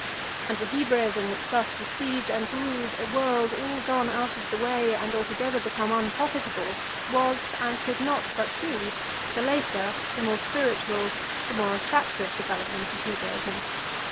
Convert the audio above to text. "+ And the Hebraism which thus received and ruled a world all gone out of the way and altogether become unprofitable, was, and could not but be, the later, the more spiritual, the more attractive development of Hebraism.